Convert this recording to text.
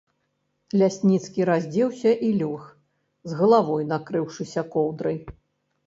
Лясніцкі раздзеўся і лёг, з галавой накрыўшыся коўдрай.